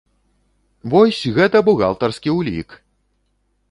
Вось, гэта бухгалтарскі ўлік!